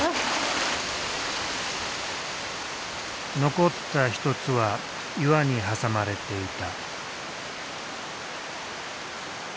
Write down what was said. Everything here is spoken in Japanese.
残った１つは岩に挟まれていた。